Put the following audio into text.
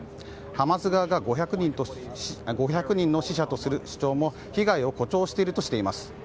ハマス側が５００人の死者とする主張も被害を誇張しているとしています。